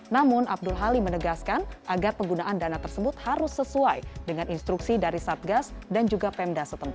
namun abdul halim menegaskan agar penggunaan dana tersebut harus sesuai dengan instruksi dari satgas dan juga pemda setempat